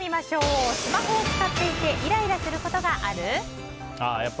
スマホを使っていてイライラすることがある？